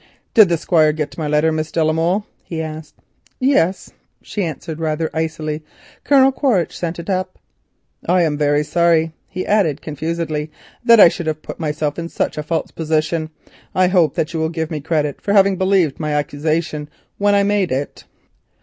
"Did the Squire get my letter, Miss de la Molle?" he asked. "Yes," she answered, rather icily. "Colonel Quaritch sent it up." "I am very sorry," he added confusedly, "that I should have put myself in such a false position. I hope that you will give me credit for having believed my accusation when I made it."